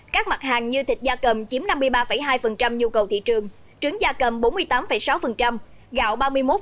các mặt hàng như thịt da cầm chiếm năm mươi ba hai nhu cầu thị trường trứng da cầm bốn mươi tám sáu gạo ba mươi một